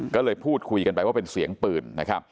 ก็เลยพูดคุยกันไปว่าเป็นเสียงปืนนะครับ